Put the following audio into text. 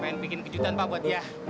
pengen bikin kejutan pak buat dia